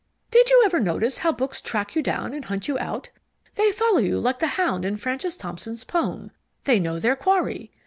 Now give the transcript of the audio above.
"Did you ever notice how books track you down and hunt you out? They follow you like the hound in Francis Thompson's poem. They know their quarry!